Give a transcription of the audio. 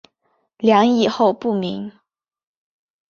梁以后不明。